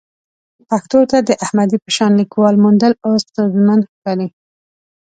پښتو ته د احمدي په شان لیکوال موندل اوس ستونزمن ښکاري.